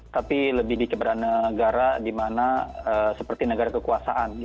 tapi lebih dikeberanegara di mana seperti negara kekuasaan